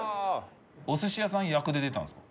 お寿司屋さん役で出たんですか？